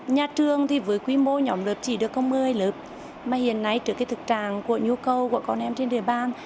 nhà trường thì với quy mô nhóm lớp chỉ được có một mươi lớp mà hiện nay trước thực trạng của nhu cầu của con em trên địa bàn